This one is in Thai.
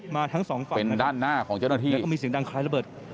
มาทั้งสองฝั่งเป็นด้านหน้าของเจ้าหน้าที่แล้วก็มีเสียงดังคล้ายระเบิด